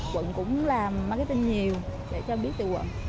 quận cũng làm marketing nhiều để cho biết từ quận